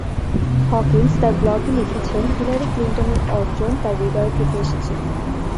Hawkins তার ব্লগে লিখেছেন, হিলারি ক্লিনটনের অর্জন তার হৃদয় থেকে এসেছে।